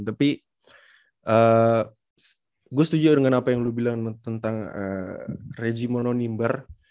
tapi gue setuju dengan apa yang lo bilang tentang regi mono nimbar